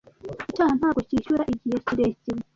Icyaha ntabwo cyishyura igihe kirekire.